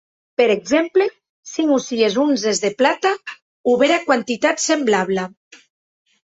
Per exemple, cinc o sies onzes de plata o bèra quantitat semblabla.